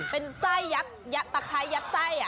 เป็นไส้ตะไคร้ยัดไส้